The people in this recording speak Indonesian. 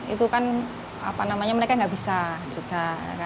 itu kan mereka nggak bisa juga